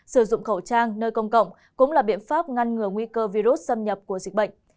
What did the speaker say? sử dụng khẩu trang nơi công cộng cũng là biện pháp ngăn ngừa nguy cơ virus xâm nhập của dịch bệnh